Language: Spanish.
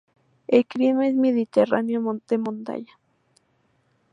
El clima es mediterráneo de montaña.